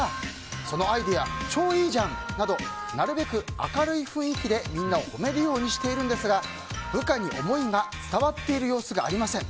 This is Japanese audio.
そのアイデア超いいじゃんなどなるべく明るい雰囲気でみんなを褒めるようにしているんですが部下に思いが伝わっている様子がありません。